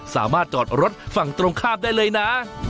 สามารถจอดรถฝั่งตรงข้ามได้เลยนะ